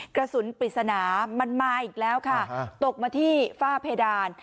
กระสุนปริศนามันมาอีกแล้วค่ะตกมาที่ฝ้าเพดาน